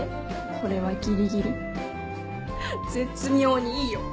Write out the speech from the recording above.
これはギリギリ絶妙にいいよ。